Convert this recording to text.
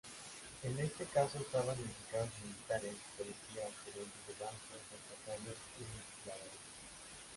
En este caso estaban implicados militares, policías, gerentes de bancos, empresarios y legisladores.